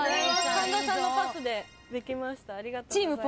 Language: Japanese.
神田さんのパスでできました。